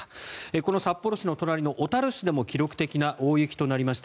この札幌市の隣の小樽市でも記録的な大雪となりました。